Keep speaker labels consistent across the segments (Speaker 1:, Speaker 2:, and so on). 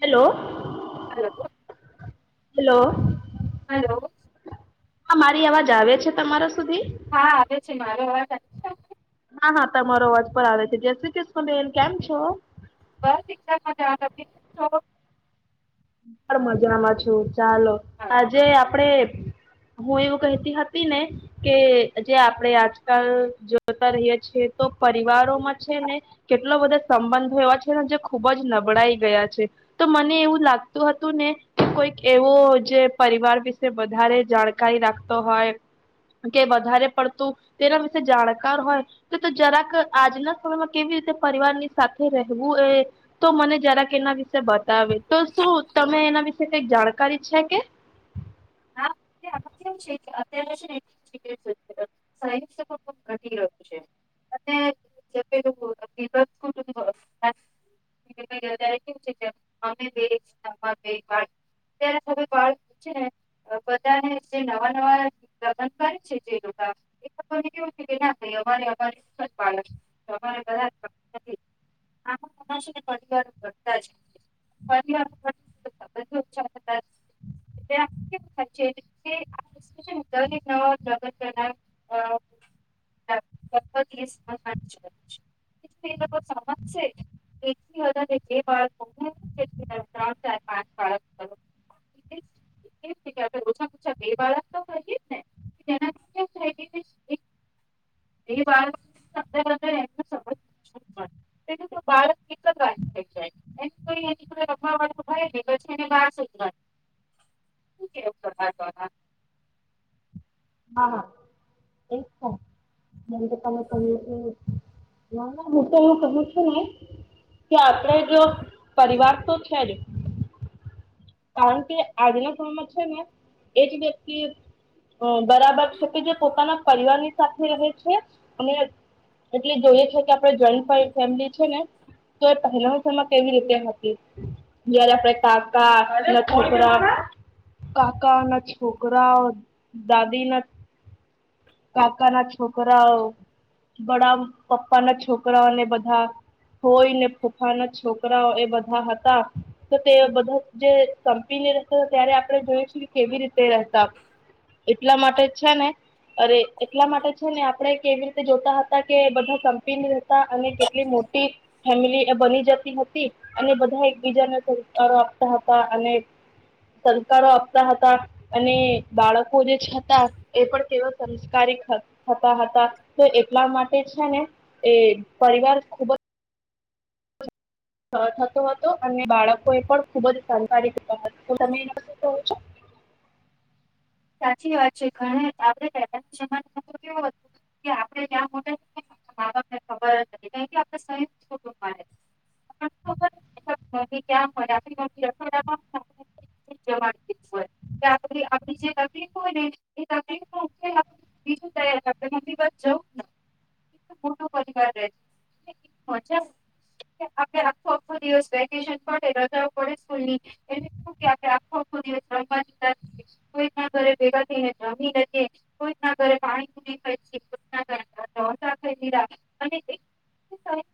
Speaker 1: Hello
Speaker 2: hello,
Speaker 1: hello
Speaker 2: hello
Speaker 1: હા મારી અવાજ આવે છે, તમારા સુધી
Speaker 2: હા, આવે છે મારો અવાજત
Speaker 1: હા, હા, તમારો અવાજ પણ આવે છે જય શ્રી કૃષ્ણ બેન કેમ છો
Speaker 2: બસ એકિક્ષામાં તમે કેમ છો
Speaker 1: મજામાં છું ચાલો, આજે આપડે હું, એવું કહેતી હતી ને કે જે આપડે આજકાલ જોતા રહીય છીએ તો પરિવારો માં છે ને કે એટલા બધા સંબંધો એવા છે ને જે ખુબ જ નબળાઈ ગયા છે, તો મને એવું લાગ હતું ને કોઈક એવો જે પરિવાર વિશે વધારે જાણકારી રાખતો હોય કે વધારે પડતું, તેના વિશે જાણકાર હોય કે તો જરાક આજના સમયમાં કેવી રીતે પરિવારની સાથે રહેવું એ તો મને જરાક એના વિશે બતાવે, તો શું તમે એના વિશે કઈક જાણકારી છે કે
Speaker 2: [inaudible] કેવું છે, અત્યારે છે ને [unintelligible] સાયન્સ ઘટી રહ્યું છે અને જેે [unintelligible] ગીધચ કેવું છે કે [unintelligible] અમે બે અમારા બે ત્યારે [unintelligible] બાર છે ને બધાને જે નવા નવા લગ્ન કરે છે જે લોકો એ લોકોને કેવું કે [unintelligible] ના અમા અમા બાળક અમા આમ તમા સુને [unintelligible] દતા છે [unintelligible] પરીવાર [unintelligible] દરેક નગતના [unintelligible] એકથી વધારે જે બાળક પચ હતું કે ત્રણ, ચાર, પાંચ, બાળક [inaudible] એ જ કે છેઓછામાં ઓછા બે બાળક તો કરીએ ને, તેનાથી શું થાય એ [unintelligible] વારધ્યારે સમજ તો બાળકએક જ રાખે છે એઈ એ રખવા વાળ ભાય પછી એને બાર [inaudible]
Speaker 1: હા, હા, એક છે ના ના હુ તો હ સહ છે કે આપણેે જો પરિવાર તો છે જ કારણ કે આજના સમયમાં છે ને એ જ વ્યક્તિ બરાબર છે કે જે પોતાના પરિવારની સાથે રહે છે અને એટલે જોઈએ છે કે આપડે જોઈન્ટ ફેમિલી છે ને તો એ પહેલા સમમાં કેવી રીતે હતી જયારે કાકા ના છોકરા કાકા ના છોકરા દાદી ના કાકા ના છોકરાઓ બડા પપ્પા ના છોકરાઓને બધા હોય ને ફુફાના છોકરાઓ એ બધા હતા તો તે બધા જે સંપીનેતા ત્યારે આપણે જોઉ શું કે કેવી રીતે રહેતા એટલા માટે જ છે ને અરે એટલા માટે છે ને આપણે કેવી રીતે જોતા હતા કે બધા કંપની હતા અને કેટલી મોટી ફેમિલી બની જતી હતી અને બધા એકબીજાને સંસ્કારો આપતા હતા અને સંસ્કારો આપતા હતા અને બાળકો જે હતા એ પણ કેવા સંસ્કારી થતા હતા તો એટલા માટે છે ને. એ પરિવાર ખૂબ જ થતો હતો અને બાળકો એ પણ ખુબ જ સહકારી દીતા હતા તો તમે એના કહો છો
Speaker 2: સાચી વાત છે ઘ આપડણે પેલાના જમાના મા તો કેવું હતું કે આપડે ત્યાં મોટા બા બાપને ખબર નથી કે આપડે સંયુક્તટ
Speaker 1: [inaudible]
Speaker 2: [unintelligible] [unintelligible] [inaudible] મોટો પરિવાર રહે છે મજા આપડે આખો આખો દિવસ વેકેશન પડે રજાઓ પડે સ્કૂલ ની. [unintelligible] [unintelligible] ઘરે ભેગા થઈને [unintelligible] [unintelligible] [unintelligible]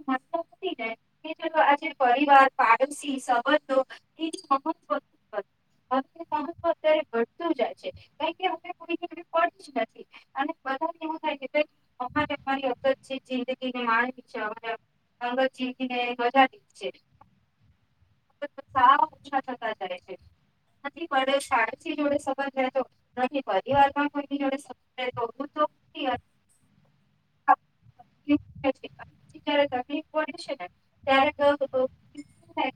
Speaker 2: [unintelligible] આજે પરિવાર પાડોશી સંબંધો [inaudible] વધતું જાય છે કેયકે અમને કોઈની કોઈ પડી જ નથી. અને [unintelligible] એવું થાય કે અમારે અમારી [unintelligible] જિંદગી ને માણવી છે [unintelligible] અંગ જીકી ને બધા જ છે. [unintelligible] નથી પરિવાર માં કોઈની જોડે [unintelligible] તો તો. [inaudible] [inaudible] કે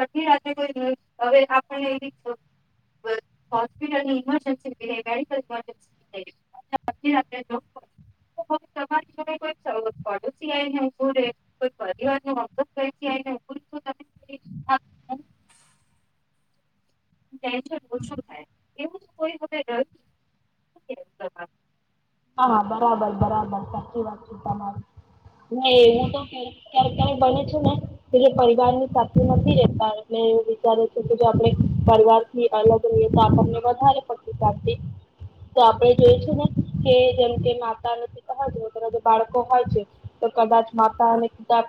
Speaker 2: અઢી રાતે કોઈ દ હવે આપણે એ ર બ હસ્પિટલ ની એમરજનસી છે મેડિકલ એમરજસી છે. [unintelligible] [unintelligible] ટેન્શન ઓછું થાય એવું કોઈ હવે રહી
Speaker 1: હા બરાબર બરાબર સાચી વાત છે તમારી ને હું તો ક્યારે ક્યારે બને છે ને. કે જે પરિવાર ની સાથે નથી રેતા એવું વિચાર છું કે જો આપણે પરિવાર [unintelligible] અલગ રઈએ તા આપણને વધારે પતી [unintelligible] તો આપણે જોઈશું ને કે જેમ કે માતા નથી પિતા નથી તો બાળકો હોય છે. તો કદાચ માતાને કિતાબ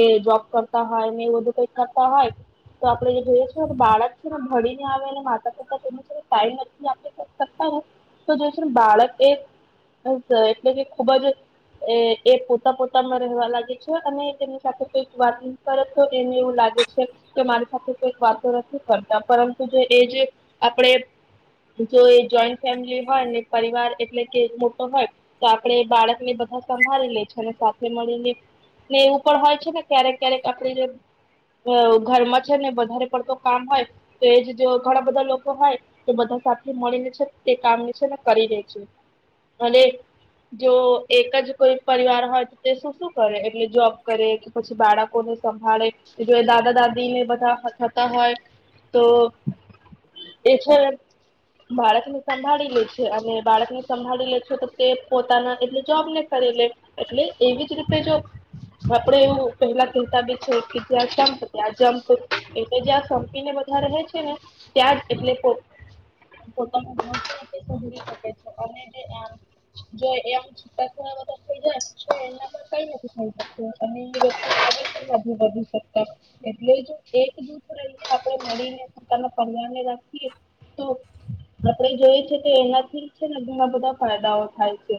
Speaker 1: એ જોબ કરતા હોય એ બધું કઈક કરતા હોય. તો આપડે જે જોઈએ છે બાળક છે ને ભળીને આવે ને માતા પિતા તેનું આપણે ટાઈમ નથી આપી શકતાને તો જોને બાળક એ એટલી ખુબ જ એ એ પોતા પોતામાં રહેવા લાગે છે અને તેની સાથે કોઈક વાત પરંતુ એને એવું લાગે છે કે મારી સાથે કઈક વાતો નથી કરતા પરંતુ જો એ જે આપડે જો એ જોઈન્ટ ફેમિલી હોય ને એક પરિવાર એટલે કે મોટો હોય તો આપડે બાળકને બધા સંભાળી લે છે અને સાથે મળીને ને એવું પણ હોય છે ને ક્યારેક ક્યારેક આપડી જેમ અ ઘરમાં છે ને વધારે પડતો કામ હોય. તો એજ જો ઘણા બધા લોકો હોય તો બધા સાથે મળીને છે તે કામ છે ને કરી દે છે. અને જો એક જ કોઈ પરિવાર હોય તો તે શું-શું કરે એટલે જોબ કરે કે પછી બાળકોને સંભાળે એટલે દાદા દાદી ને બધા થતા હોય તો એ છે બાળકને સંભાળી લે છે અને બાળકને સંભાળી લે છો તો તે પોતાના એટલે જોબ ને કરી લે એટલે એવી જ રીતે જો આપડે એવું પહેલા કહેતા બી છે કે જ્યા સંપ છે ત્યાં જંપ. એટલે જ્યાં સંપીને બધા રહે છે ને ત્યાં જ એટલે [unintelligible] પોતાનો ભવિષ્ય તે સુધરી શકે છે. અને જો એમ. [unintelligible] થઈ જાય એના પણ કઈ નથી થઈ શકતું અને એ વ્યક્તિ આગળ પણ નથી વધી શકતા એટલે જો એક જૂથ રહીને આપણે મળીને પોતાના પરિવર ને રાખીએ તો આપણેે જોઈએ છે કે એનાથી છે ને ઘણા બધા ફાયદાઓ થાય છે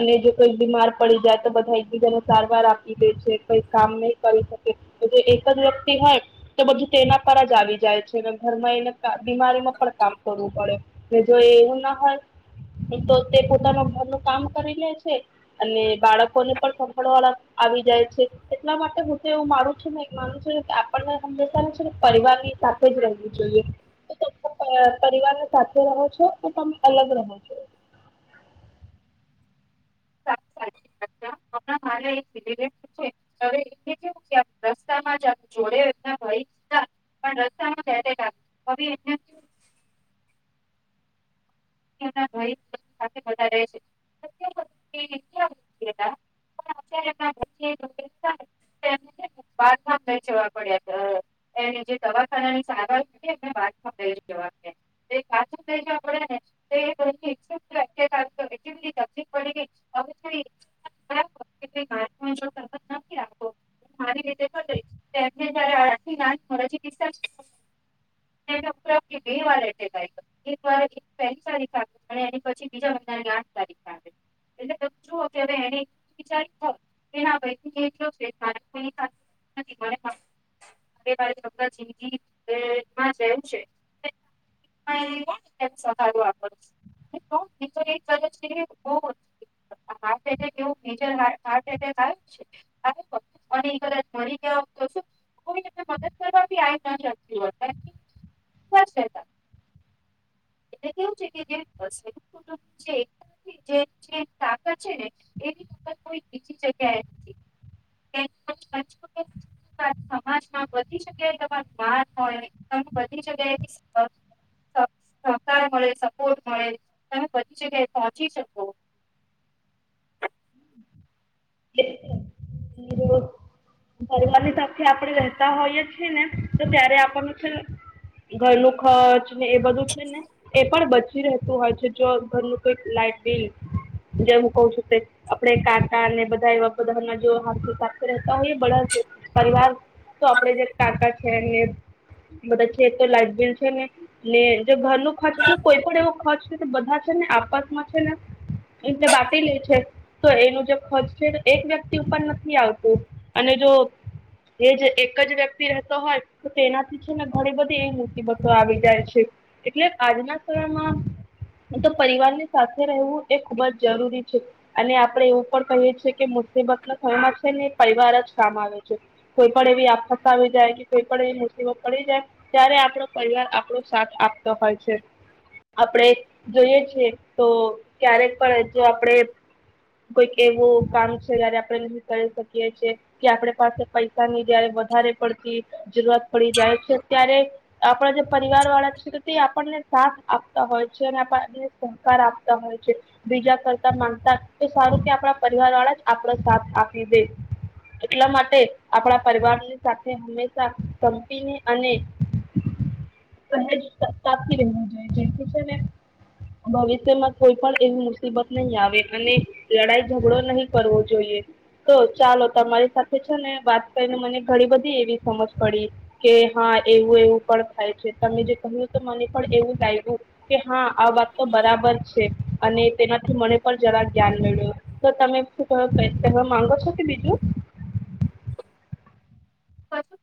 Speaker 1: અને જો કોઈ બીમાર પડી જાય તો બધા એકબીજાને સારવાર આપી દે છે કઈક કામ નહી કરી શકે જો એક જ વ્યક્તિ હોય તો બધું તેના પર જ આવી જાય છે અને ઘરમાં એને બીમારીમાં પણ કામ કરવું પડે જો એવું ના હોય તો તે પોતાના ઘરનું કામ કરી લે છે અને બાળકોને પણ સાભળવાળા આવી જાય છે એટલા માટે હું તો એવું માનું છું ને માનું છું આપણને હંમેશા છે પરિવાર ની સાથે જ રહેવું જોઈએ ત તમે પરિવારને સાથે રહો છો તમે અલગ રહો છો
Speaker 2: સા સાચી વાત હમણાં [unintelligible] હવે એને કેવું કે રસ્તા માં જ આપ જોડે એમના ભાઈ હતા પણ રસ્તામાં એટેક આવીયો હવે એમના સાથે છે [unintelligible] [unintelligible] એની જે દવાખાનાની સારવાર એ વાતમાં બે જવા આપ [unintelligible] [unintelligible] માં જો તરત નથી રાખો મારી રીતે થ એમને જયારે આરથી નાથરાજી [unintelligible] તારીખ અને એ પછી બીજા મહિની લ તારીખ આવે એટલે તમે શ કે હવે એને વિચારી [unintelligible] અરે મારે [unintelligible] રહેવું છે [unintelligible] [unintelligible] હાર્ટ એટેક એવું મેજર હાર્ટ એટેક આવ છે અને કદાચ મરી ગયા તો શું કો મદદ કરવા બી આ ના શકતી હોસ કેવું છે કે જે સંયુક્ત કુટુંબ છ જે ચાર ની એની તાકાત છે કોઈ બીજી જગ્યા એ નથી સમાજમાં બધી જગ્યાએ તમાર માન હોય તમે બધી જગ્યાએ [unintelligible] સહકાર મળે સપોર્ટ મળે તમે બધી જગ્યાએ પહોંચી શકો
Speaker 1: [unintelligible] પરિવારની તરથી આપણે રતા હોઈએ છીએ ને તો ત્યારે આપણ છે ઘરનું ખર્ચ ને એ બધું છે ને પણ બચી રહેતું હોય છે જો ઘરનું કઈક લાાઈટ બિલ જેમ કવુ છુ આપણે કાંટા અને બધા એવા બધા જો હિરકી સાથે રહેતા હોય બળ પરિવાર તો આપડે જે કાંકા છે ને બધા છે તો લાઈફ બિલ છે ને ને જો ઘર ન ખર્ચ એ કોઈ પણ એવો ખર્ચ કે તો બધા છે ને આપાસમાં છે ને. એટલે બાકી લે છે. તો એનું જે ખર્ચ છે એક વ્યક્તિ ઉપર નથી આવતું અને જો એ જ એક જ વ્યક્તિ રહેતો હોય. તો તેનાથી છે ને ઘણી બધી એવી મુતિબતો આવી જાય છે. એટલે આજના સમયમા તો પરિવારની સાથે રહેવું એ ખુબ જ જરૂરી છે. અને આપડે એવું પણ કહીએ છીએ કે મુસીબત ના સ્યમાં છે ને પરિવાર જ કામ આવે છે. કોઈ પણ એવી આપફત આવી જાય કે કોઈ પણ એવી મુરસીબો પડી જાય. ત્યારે આપણો પરિવાર આપણો સાથ આપતો હોય છે. આપણે જોઈએ છીએતો ક્યારેક પણજો આપણેે કોઈક એવું કામ છે જયારે આપણે ન કરી શકીએ છે. કે આપડ પાસે પૈસાની જયારે વધારે પડતી જરૂરત પડી જાય છે ત્યારે આપણા જે પરિવાર વાળા છે તે આપણને સાથ આપતા હોય છે અને આપણને સહકાર આપતા હોય છે. બીજા કરતા માંગતાતો સારું કે આપણા પરિવાર વાળાજ આપડો સાથ આપી દે એટલા માટે આપણા પરિવાર સાથે હંમેશા કંપીને અને પજથી રહેવું જોઈએ જેમ કે છેને. ભવિષ્યમાં કોઈ પણ એવી મુસીબત નહીં આવે અને લડાઈ ઝઘડો નહીિ કરવો જોઈએ તો ચાલો તમારી સાથે છેને, વાત કરીને મને ઘણી બધી એવી સમજ પડી કે હા એવું એવું પણ થાય છે તમે જે કહ્યું તો મને પણ એવું લાગ્યુ કે હા આવાતતો બરાબર છે અને તેનાથી મને પણ જરા ધ્યાન મેળ્યું તો તમે શ કહેવા માંગો છ, કે બીજુ
Speaker 2: બસુ